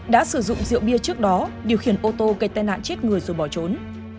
đã sử dụng rượu bia trước đó điều khiển ô tô gây tai nạn chết người rồi bỏ trốn